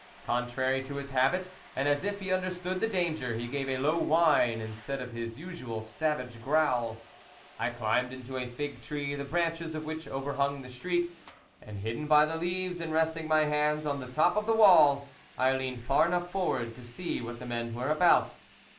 Contrary to his habit, and as if he understood the danger, he gave a low whine instead of his usual savage growl. I climbed into a fig tree the branches of which overhung the street, and, hidden by the leaves, and resting my hands on the top of the wall, I leaned far enough forward to see what the men were about.